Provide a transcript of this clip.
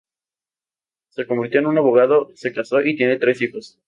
Se convirtió en un abogado, se casó y tiene tres hijos.